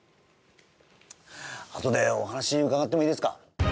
あとでお話伺ってもいいですか？